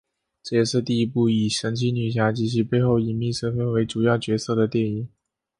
这也是第一部以神奇女侠及其背后隐秘身份为主要角色的电影。